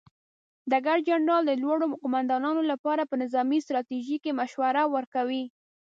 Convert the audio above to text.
ډګر جنرال د لوړو قوماندانانو لپاره په نظامي ستراتیژۍ کې مشوره ورکوي.